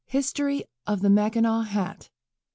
HISTORY OF THE MACKINAW HAT. No.